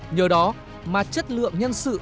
nhờ đó mà chất lượng nhân sự